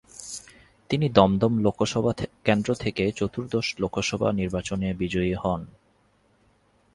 তিনি দমদম লোকসভা কেন্দ্র থেকে চতুর্দশ লোকসভা নির্বাচনে বিজয়ী হন।